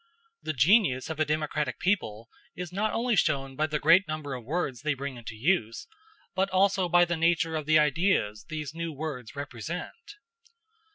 The genius of a democratic people is not only shown by the great number of words they bring into use, but also by the nature of the ideas these new words represent.